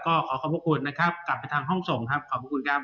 ก็ขอขอบพระคุณนะครับกลับไปทางห้องส่งครับขอบคุณครับ